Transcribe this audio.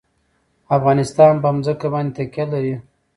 افغانستان په ځمکه باندې تکیه لري.